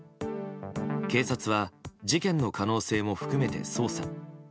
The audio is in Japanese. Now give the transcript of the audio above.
警察は事件の可能性も含めて捜査。